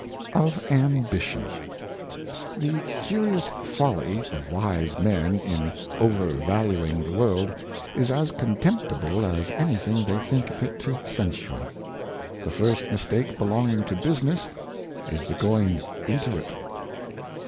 Of Ambition. THE serious Folly of wise Men in over valuing the World, is as contemptible as any thing they think fit to censure. The first Mistake belonging to Business is the going into it.